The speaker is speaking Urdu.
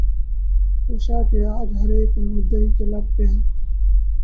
خوشا کہ آج ہر اک مدعی کے لب پر ہے